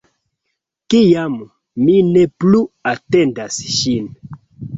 Kiam mi ne plu atendas ŝin.